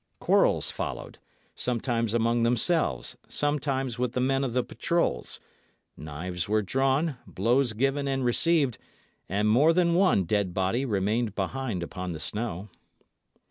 Quarrels followed, sometimes among themselves, sometimes with the men of the patrols; knives were drawn, blows given and received, and more than one dead body remained behind upon the snow.